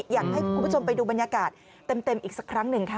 อยากให้คุณผู้ชมไปดูบรรยากาศเต็มอีกสักครั้งหนึ่งค่ะ